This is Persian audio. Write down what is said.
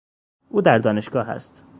او در دانشگاه است.